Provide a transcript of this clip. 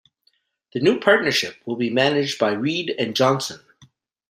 The new partnership will be managed by Reid and Johnsen.